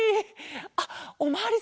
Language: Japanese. あっおまわりさん。